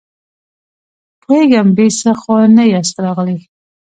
پوهېږم، بې څه خو نه ياست راغلي!